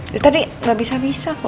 ya tadi gak bisa bisa kok